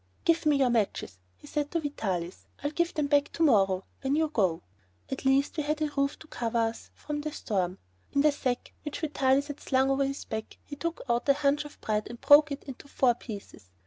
"Give me your matches," he said to Vitalis. "I'll give you them back to morrow, when you go." At least we had a roof to cover us from the storm. In the sack which Vitalis had slung over his back he took out a hunch of bread and broke it into four pieces.